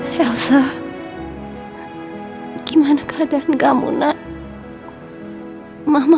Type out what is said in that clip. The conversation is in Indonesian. semuanya bisa damai dan bahagia